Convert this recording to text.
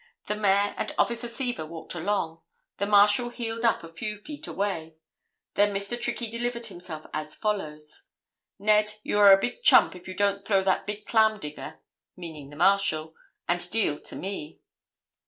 The Mayor and Officer Seaver walked along; the Marshal heeled up a few feet away. Then Mr. Trickey delivered himself as follows:—'Ned, you are a big chump if you don't throw that big clam digger, (meaning the Marshal) and deal to me.